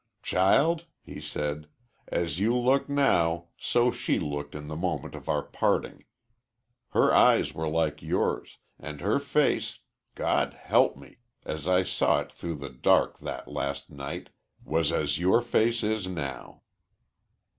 "Child," he said, "as you look now, so she looked in the moment of our parting. Her eyes were like yours, and her face, God help me! as I saw it through the dark that last night, was as your face is now.